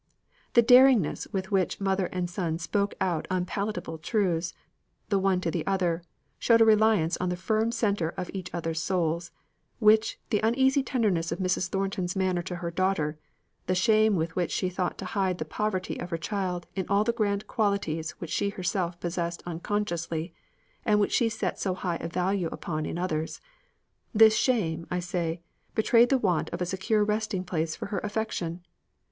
The very daringness with which mother and son spoke out unpalatable truths, the one to the other, showed a reliance on the firm centre of each other's souls, which the uneasy tenderness of Mrs. Thornton's manner to her daughter, the shame with which she thought to hide the poverty of her child in all the grand qualities which she herself possessed unconsciously, and which she set so high a value upon in others this shame, I say, betrayed the want of a secure resting place for her affection.